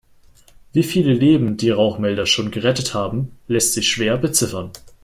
Wie viele Leben die Rauchmelder schon gerettet haben, lässt sich schwer beziffern.